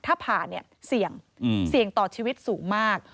ถ้าผ่าเนี่ยเสี่ยงเสี่ยงต่อชีวิตสูงมาก